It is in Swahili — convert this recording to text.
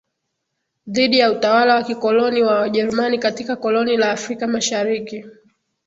dhidi ya utawala wa kikoloni wa wajerumani katika koloni la Afrika Mashariki